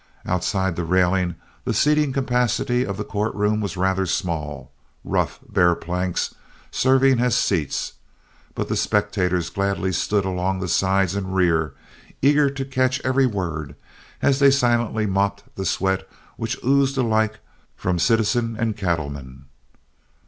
Outside the railing the seating capacity of the court room was rather small, rough, bare planks serving for seats, but the spectators gladly stood along the sides and rear, eager to catch every word, as they silently mopped the sweat which oozed alike from citizen and cattleman.